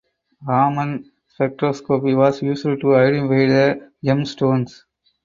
Raman spectroscopy was used to identify the gem stones.